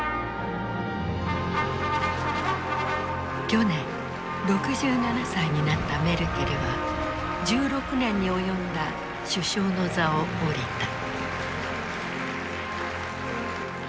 去年６７歳になったメルケルは１６年に及んだ首相の座を降りた。